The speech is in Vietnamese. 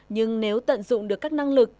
nhưng nếu tận dụng được các năng lực